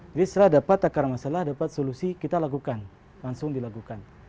setelah dapat akar masalah dapat solusi kita lakukan langsung dilakukan